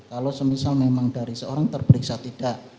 kalau memang dari seorang yang terperiksa tidak